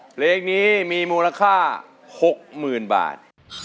เพลงนี้มีมูลค่า๖๐๐๐บาท